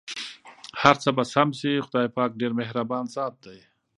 هرڅه به سم شې٬ خدای پاک ډېر مهربان ذات دی.